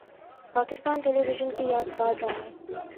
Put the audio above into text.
Pakistan television کے یادگار ڈرامے